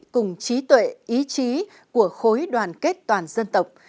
cùng trí tuệ ý chí của khối đoàn kết toàn dân tộc